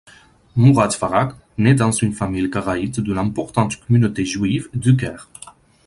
Mourad Farag naît dans une famille karaïte de l’importante communauté juive du Caire.